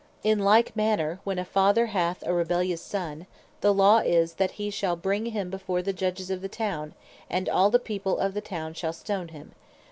In like manner when a Father hath a rebellious Son, the Law is (Deut. 21. 18.) that he shall bring him before the Judges of the Town, and all the people of the Town shall Stone him.